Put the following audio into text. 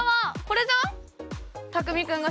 これじゃん？